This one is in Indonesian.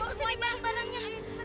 mau kesini barangnya